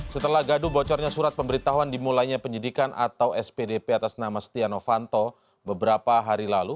setelah gaduh bocornya surat pemberitahuan dimulainya penyidikan atau spdp atas nama setia novanto beberapa hari lalu